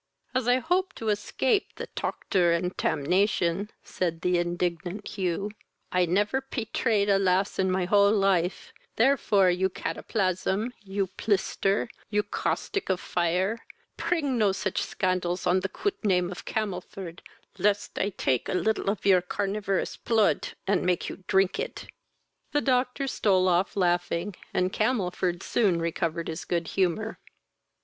"As I hope to escape the toctor and tamnation, (said the indignant Hugh,) I never petrayed a lass in my whole life; therefore, you cataplasm, you plister, you caustic of fire, pring no such scandals on the coot name of Camelford, lest I take a little of your carnivorous plood, and make you drink it!" The Doctor stole off laughing, and Camelford soon recovered his good humour.